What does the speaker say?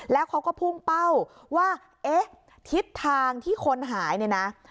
แล้วเขาก็พุ่งเป้าว่าเอ๊ะทิศทางที่คนหายเนี่ยนะ